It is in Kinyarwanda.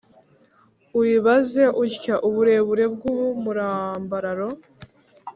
Uyibaze utya uburebure bw umurambararo